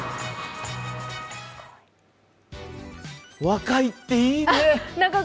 若いっていいね。